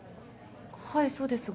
はいそうですが。